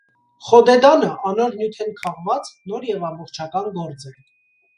«Խոդեդան»ը անոր նիւթէն քաղուած, նոր եւ ամբողջական գործ է։